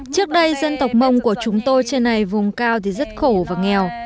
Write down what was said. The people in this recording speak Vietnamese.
trước đây dân tộc mông của chúng tôi trên này vùng cao thì rất khổ và nghèo